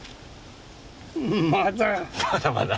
まだ。